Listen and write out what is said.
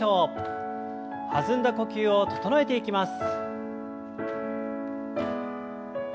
弾んだ呼吸を整えていきます。